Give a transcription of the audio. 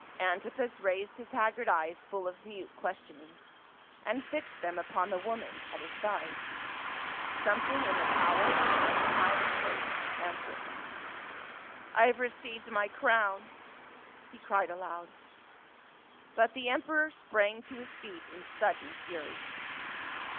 Antipas raised his haggard eyes full of mute ques tionings, and fixed them upon the woman at his side. Something in the pallid unsmiling face answered him. "I have received my crown !" he cried aloud. Rut the emperor sprang to his feet in sudden fur\